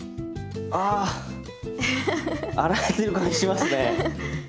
あ洗えてる感じしますね！